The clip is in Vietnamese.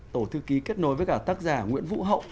tổ thư ký kết nối với cả tác giả nguyễn vũ hậu